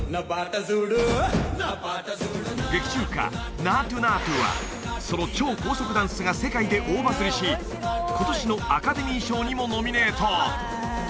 劇中歌「ナートゥナートゥ」はその超高速ダンスが世界で大バズりし今年のアカデミー賞にもノミネート